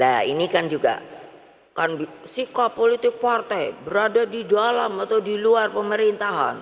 nah ini kan juga sikap politik partai berada di dalam atau di luar pemerintahan